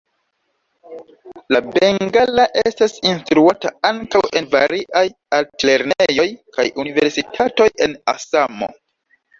La bengala estas instruata ankaŭ en variaj altlernejoj kaj universitatoj en Asamo.